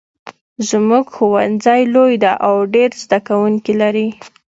زمونږ ښوونځی لوی ده او ډېر زده کوونکي لري